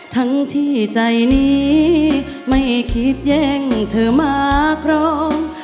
ทั้งที่ใจนี้ไม่คิดแย่งเธอมาครอง